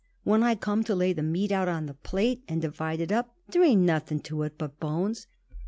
When I come to lay the meat out on a plate and divide it up, there ain't nothing to it but bones.